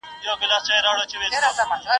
ژورنالستان له ستونزو سره مخ کېږي